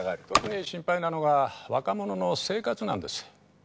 特に心配なのが若者の生活難です。